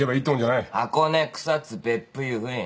箱根草津別府湯布院。